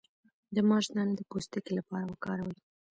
د ماش دانه د پوستکي لپاره وکاروئ